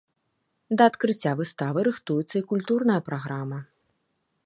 Да адкрыцця выставы рыхтуецца і культурная праграма.